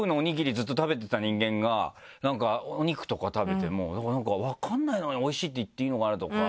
ずっと食べてた人間がなんかお肉とか食べても「分かんないのにおいしいって言っていいのかな」とか。